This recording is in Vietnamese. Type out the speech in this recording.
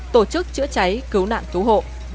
tổ chức chữa cháy cứu nạn cứu hộ